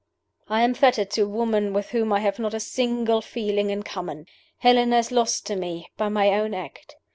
"I am fettered to a woman with whom I have not a single feeling in common. Helena is lost to me, by my own act.